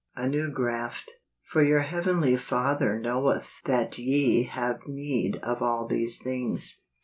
A New Graft. " For your heavenly Father knoweth that ye have need of all these things